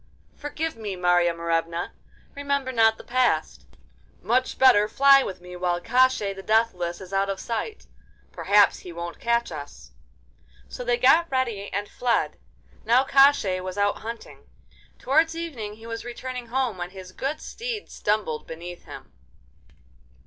'Forgive me, Marya Morevna! Remember not the past; much better fly with me while Koshchei the Deathless is out of sight. Perhaps he won't catch us.' So they got ready and fled. Now Koshchei was out hunting. Towards evening he was returning home, when his good steed stumbled beneath him.